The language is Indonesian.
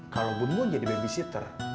kalau bun mau jadi babysitter